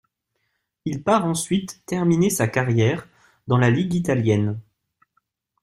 Il part ensuite terminer sa carrière dans la ligue italienne.